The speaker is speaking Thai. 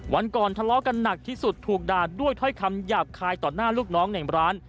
วันก่อนทะเลาะกันหนักที่สุดถูกด่าด้วยถ้อยคำหยาบคายต่อหน้าลูกน้องในร้าน